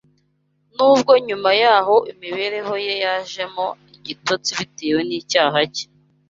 nubwo nyuma yaho imibereho ye yajemo igitotsi bitewe n’icyaha cye